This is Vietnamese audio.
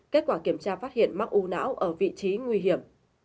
và phát hiện mắc u não ở vị trí nguy hiểm